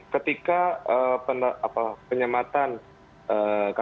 ketika penyematan kkb